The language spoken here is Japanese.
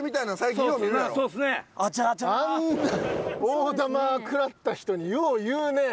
大玉食らった人によう言うね。